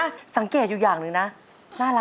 โฮลาเลโฮลาเลโฮลาเล